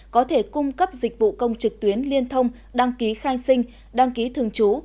có thể cung cấp dịch vụ công trực tuyến liên thông đăng ký khai sinh đăng ký thường trú